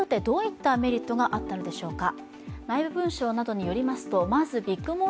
ではお互いにとってどういったメリットがあったのでしょうか。